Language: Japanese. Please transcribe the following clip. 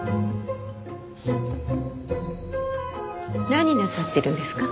何なさってるんですか？